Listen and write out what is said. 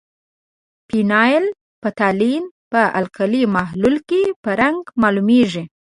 فینول فتالین په القلي محلول کې په رنګ معلومیږي.